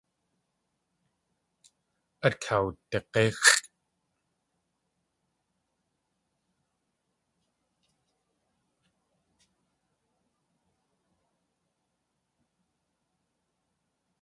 Át kawdig̲íxʼ.